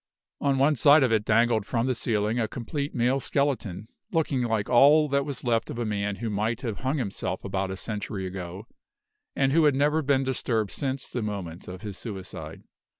On one side of it dangled from the ceiling a complete male skeleton, looking like all that was left of a man who might have hung himself about a century ago, and who had never been disturbed since the moment of his suicide.